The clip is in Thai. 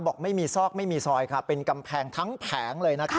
บอกไม่มีซอกไม่มีซอยค่ะเป็นกำแพงทั้งแผงเลยนะครับ